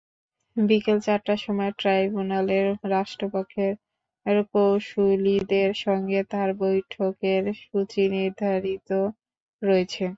বিকেল চারটার সময় ট্রাইব্যুনালের রাষ্ট্রপক্ষের কৌঁসুলিদের সঙ্গে তাঁর বৈঠকের সূচি নির্ধারিত রয়েছে।